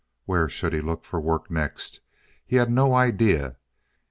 Where he should look for work next, he had no idea.